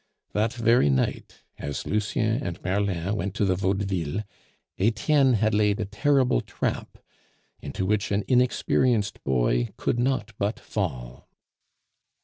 That very night, as Lucien and Merlin went to the Vaudeville, Etienne had laid a terrible trap, into which an inexperienced boy could not but fall.